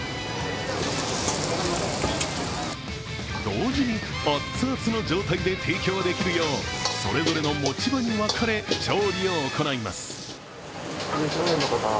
同時にアッツアツの状態で提供てのるようそれぞれの持ち場に分かれ調理を行います。